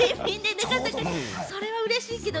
それはうれしいけれど。